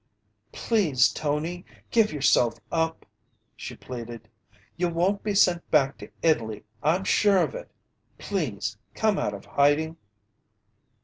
"Please, Tony, give yourself up!" she pleaded. "You won't be sent back to Italy! I'm sure of it! Please come out of hiding!"